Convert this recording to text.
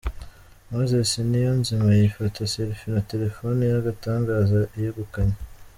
Moses Niyonzima yifata Selfie na terefone y'agatangaza yegukanye.